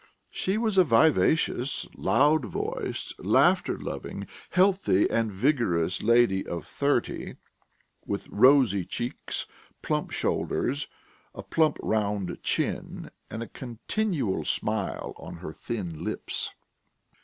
She was a vivacious, loud voiced, laughter loving, healthy, and vigorous lady of thirty, with rosy cheeks, plump shoulders, a plump round chin and a continual smile on her thin lips.